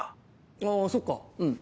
ああそっかうん。